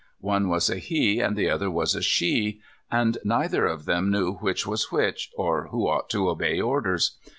One was a he, and the other was a she, and neither of them knew which was which, or who ought to obey orders.